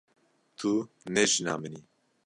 Tu ne jina min î.